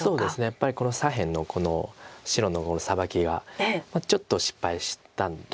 やっぱり左辺のこの白のサバキがちょっと失敗したと思います。